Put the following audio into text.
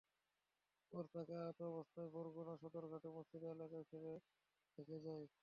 পরে তাঁকে আহত অবস্থায় বরগুনা সদরঘাট মসজিদ এলাকায় ফেলে রেখে যায়।